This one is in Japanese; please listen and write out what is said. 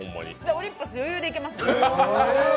オリンポス、余裕でいけます